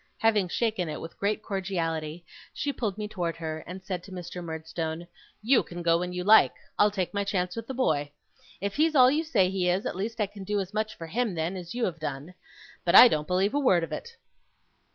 Having shaken it with great cordiality, she pulled me towards her and said to Mr. Murdstone: 'You can go when you like; I'll take my chance with the boy. If he's all you say he is, at least I can do as much for him then, as you have done. But I don't believe a word of it.